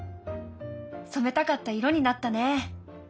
そめたかった色になったね。